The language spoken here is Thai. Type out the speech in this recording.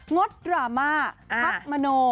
งดดรามะพักมโน่